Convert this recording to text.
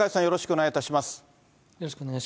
よろしくお願いします。